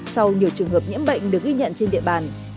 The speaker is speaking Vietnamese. sau nhiều trường hợp nhiễm bệnh được ghi nhận trên địa bàn